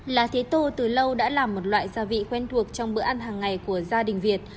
lá thế tô từ lâu đã là một loại gia vị quen thuộc trong bữa ăn hàng ngày của gia đình việt